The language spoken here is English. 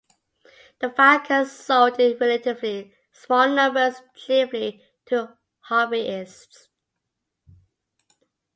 The Falcon sold in relatively small numbers, chiefly to hobbyists.